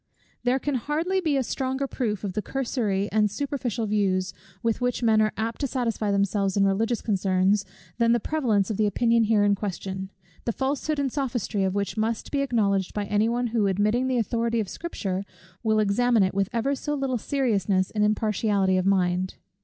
There can hardly be a stronger proof of the cursory and superficial views, with which men are apt to satisfy themselves in religious concerns, than the prevalence of the opinion here in question; the falsehood and sophistry of which must be acknowledged by any one who, admitting the authority of Scripture, will examine it with ever so little seriousness and impartiality of mind.